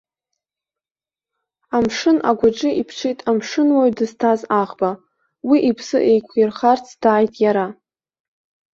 Амшын агәаҿы иԥҽит амшынуаҩ дызҭаз аӷба, уи иԥсы еиқәирхарц дааит иара.